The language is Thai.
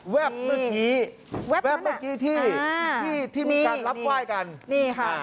เมื่อกี้แวบเมื่อกี้ที่ที่มีการรับไหว้กันนี่ค่ะ